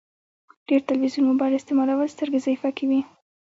ډير تلويزون مبايل استعمالول سترګي ضعیفه کوی